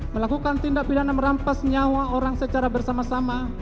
melakukan tindak pidana merampas nyawa orang secara bersama sama